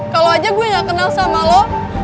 kalau aja gue gak kenal sama lo